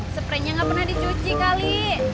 seprenya gak pernah dicuci kali